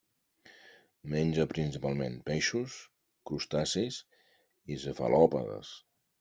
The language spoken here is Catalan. Menja principalment peixos, crustacis i cefalòpodes.